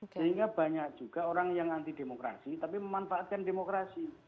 sehingga banyak juga orang yang anti demokrasi tapi memanfaatkan demokrasi